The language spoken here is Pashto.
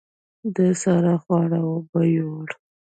د سارا خواري اوبو يوړه.